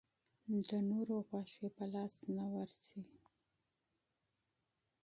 د نورو غوښې په لاس نه وررسي.